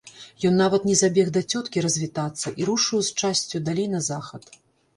Ён нават не забег да цёткі развітацца і рушыў з часцю далей на захад.